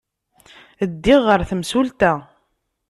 Ddiɣ ɣer temsulta.